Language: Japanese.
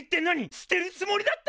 捨てるつもりだったの！？